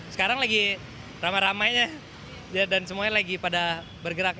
sekarang lagi ramai ramainya dan semuanya lagi pada bergerak